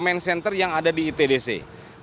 dan itu terkonek langsung dengan posko